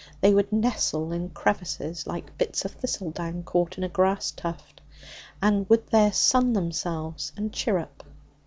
They would nestle in crevices, like bits of thistledown caught in a grass tuft, and would there sun themselves and chirrup.